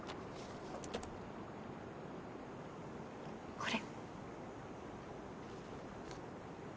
これ。